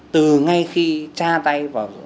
từ ngay khi tra tay vào